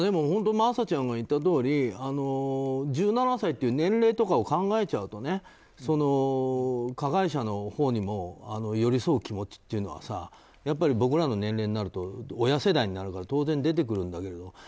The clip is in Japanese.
真麻ちゃんが言ったとおり１７歳という年齢を考えちゃうと加害者のほうにも寄り添う気持ちっていうのは僕らの年齢になると親世代になるから当然、出てくるんだけど。